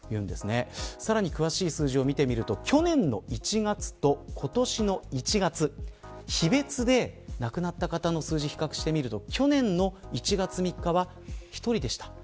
さらに詳しい数字を見てみると去年の１月と今年の１月日別で亡くなった方の数字を比較してみると去年の１月３日は１人でした。